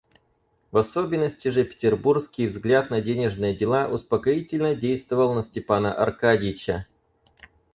В особенности же петербургский взгляд на денежные дела успокоительно действовал на Степана Аркадьича.